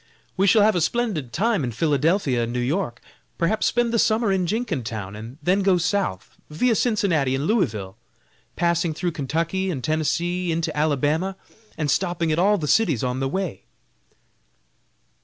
We shall have a splendid time in Philadelphia and New York; perhaps spend the summer in Jenkintown, and then go South, via Cincinnati and Louisville; passing through Kentucky and Tennessee, into Alabama, and stopping at all the cities on the way."